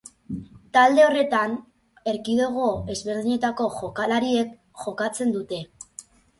Talde horretan erkidego ezberdinetako jokalariek jokatzen dute.